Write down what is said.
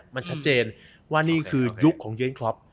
มันชัดเจนว่านี่คือยุคของเย้นคล็อป